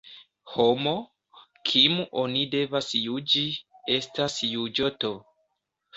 Homo, kim oni devas juĝi, estas juĝoto.